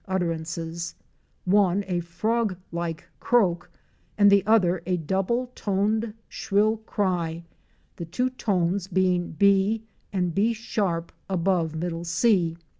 9 utterances, one a frog like croak, and the other a double toned shrill cry, the two tones being B and B# above middle C.